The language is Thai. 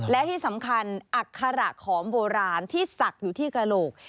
และที่สำคัญอัคระของโบราณที่ศักดิ์อยู่ที่กระโหลก